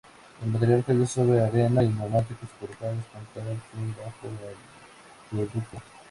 El material cayó sobre arena y neumáticos colocados con tal fin bajo el viaducto.